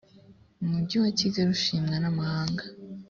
umujyi wa kigali ushimwa namahanga.